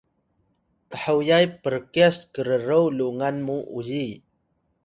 thoyay prkyas krro lungan mu uyi